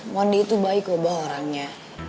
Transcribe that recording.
mondi itu baik bahwa orangnya